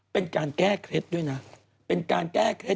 เป็นการแก้เคล็ดด้วยนะเป็นการแก้เคล็ด